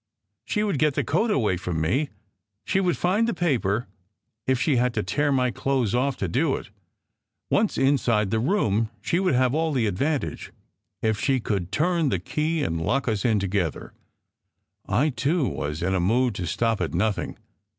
She would get the coat away from me. She would find the paper, if she had to tear my clothes off to do it. Once inside the room, she would have all the advantage if she could turn the key and lock us in together. I, too, was in a mood to stop at nothing.